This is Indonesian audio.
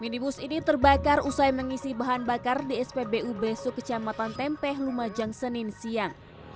minibus ini terbakar usai mengisi bahan bakar di spbu besuk kecamatan tempeh lumajang senin siang